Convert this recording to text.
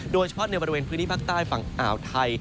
โดยเฉพาะในบริเวณพื้นที่ภาคใต้ฝั่งอ่าวไทย